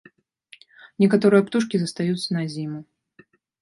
Некаторыя птушкі застаюцца на зіму.